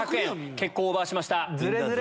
結構オーバーしました。